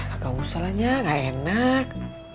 kagak usahanya gak enak